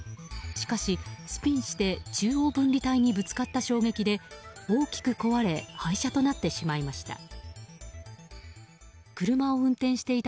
しかし、スピンして中央分離帯にぶつかった衝撃で大きく壊れ廃車となってしまいました。